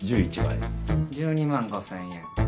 １２万５０００円。